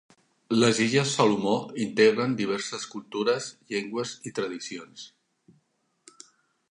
Les illes Salomó integren diverses cultures, llengües i tradicions.